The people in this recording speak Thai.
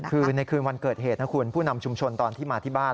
คือในคืนวันเกิดเหตุนะคุณผู้นำชุมชนตอนที่มาที่บ้าน